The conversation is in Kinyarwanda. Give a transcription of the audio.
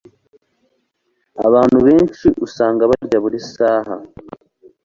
Abantu benshi usanga barya buri saha